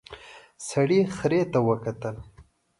سړي خرې ته وکتل.